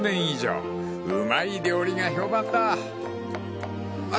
［うまい料理が評判だ］